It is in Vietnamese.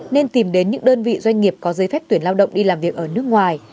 nên tìm đến những đơn vị doanh nghiệp có giấy phép tuyển lao động đi làm việc ở nước ngoài